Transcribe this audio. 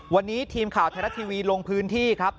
วันนี้ทีมข่าวไทยรัฐทีวีลงพื้นที่ครับ